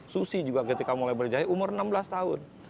susi juga ketika mulai berjaya umur enam belas tahun